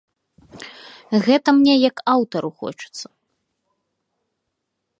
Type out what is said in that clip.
Гэта мне як аўтару хочацца.